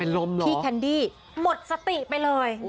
เป็นลมเหรอพี่แคนดี้หมดสติไปเลย